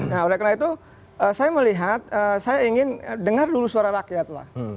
nah oleh karena itu saya melihat saya ingin dengar dulu suara rakyat lah